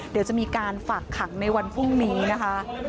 เดี๋ยวจะมีการฝากขังในวันพรุ่งนี้นะคะ